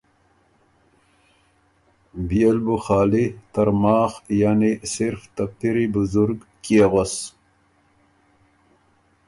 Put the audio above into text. بيې ل بُو خالی ترماخ یعنی صرف ته پِری بزرګ کيې غؤس؟